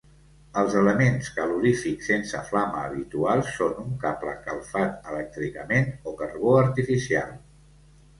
Els elements calorífics sense flama habituals són un cable calfat elèctricament o carbó artificial.